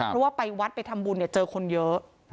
เพราะว่าไปวัดไปทำบุญเนี่ยเจอคนเยอะ